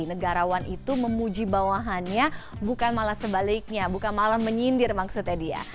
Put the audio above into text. negarawan itu memuji bawahannya bukan malah sebaliknya bukan malah menyindir maksudnya dia